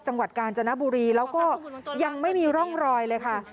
จังหวัดกาญจนบุรีแล้วก็ยังไม่มีร่องรอยเลยค่ะ